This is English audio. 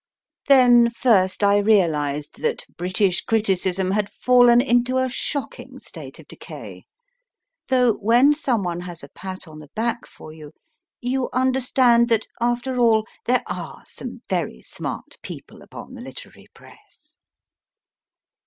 Then first I realised that British criticism had fallen into a shocking state of decay, though when some one has a pat on the back for you you understand that, MRS. THURSTON S LITTLE BOY \VA.NTS TO SEE YOU, DOCTOR after all, there are some very smart people upon the literary Press.